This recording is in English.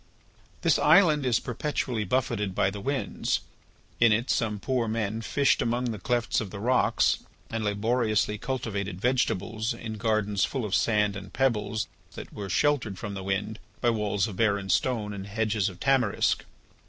This island is perpetually buffeted by the winds. In it some poor men fished among the clefts of the rocks and labouriously cultivated vegetables in gardens full of sand and pebbles that were sheltered from the wind by walls of barren stone and hedges of tamarisk.